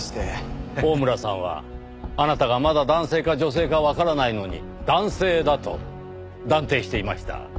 大村さんはあなたがまだ男性か女性かわからないのに男性だと断定していました。